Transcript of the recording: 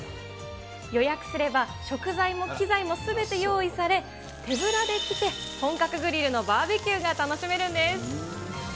予約すれば食材も機材もすべて用意され、手ぶらで来て、本格グリルのバーベキューが楽しめるんです。